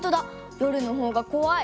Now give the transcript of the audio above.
夜の方がこわい！